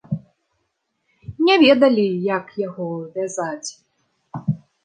Не ведалі, як яго вязаць.